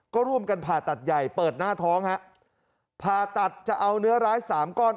ก็ร่วมกันผ่าตัดใหญ่เปิดหน้าท้องฮะผ่าตัดจะเอาเนื้อร้ายสามก้อน